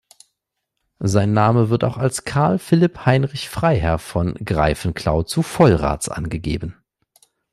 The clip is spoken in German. Sein Name wird auch als "Karl Philipp Heinrich Freiherr von Greiffenclau zu Vollraths" angegeben.